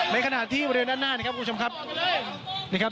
ในขณะที่บริเวณด้านหน้านะครับคุณผู้ชมครับนะครับ